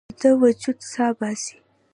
ویده وجود سا باسي